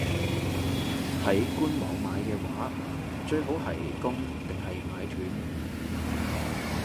喺官網買嘅話，最好係供定係買斷?